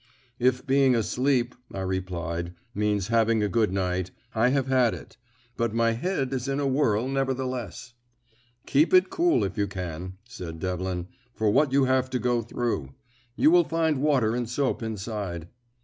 "If being asleep," I replied, "means having a good night, I have had it. But my head is in a whirl, nevertheless." "Keep it cool if you can," said Devlin, "for what you have to go through. You will find water and soap inside."